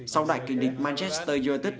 sau đại kỳ địch manchester united